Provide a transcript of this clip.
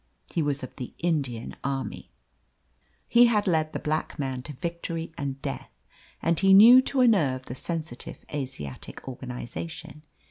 He was of the Indian army. He had led the black man to victory and death, and he knew to a nerve the sensitive Asiatic organisation.